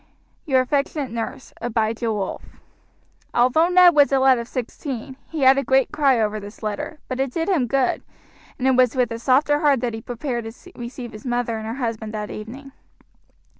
Your affectionate nurse, ABIJAH WOLF." Although Ned was a lad of sixteen, he had a great cry over this letter, but it did him good, and it was with a softer heart that he prepared to receive his mother and her husband that evening.